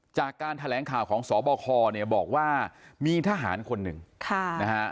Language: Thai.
จากการแถลงข่าวของสบคเนี่ยบอกว่ามีทหารคนหนึ่งค่ะนะฮะ